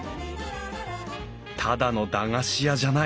ただの駄菓子屋じゃない。